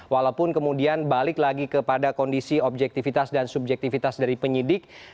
walaupun kemudian balik lagi kepada kondisi objektivitas dan subjektivitas dari penyidik